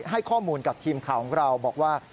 ให้ข้อมูลกับทีมข่าวของเราบอกว่า